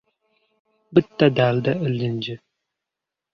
Bitta dalda ilinji